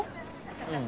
うん。